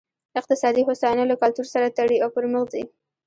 اقتصادي هوساینه له کلتور سره تړي او پرمخ ځي.